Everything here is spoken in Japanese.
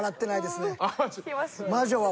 魔女は。